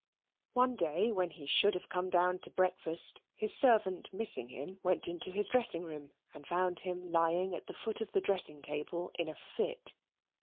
One day when he should have come down to breakfast, his servant missing him, went into his dressing room and found him lying at the foot of the dressing table in a fit.